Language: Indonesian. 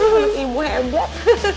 buat ibu hebat